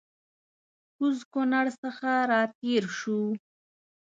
کوز کونړ څخه راتېر سوو